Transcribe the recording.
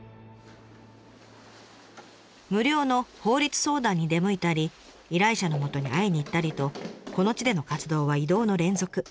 無料の法律相談に出向いたり依頼者のもとに会いに行ったりとこの地での活動は移動の連続。